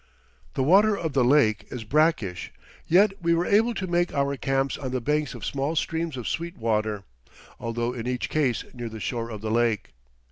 The water of the lake is brackish, yet we were able to make our camps on the banks of small streams of sweet water, although in each case near the shore of the lake.